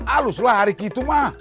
alus lah hari gitu mah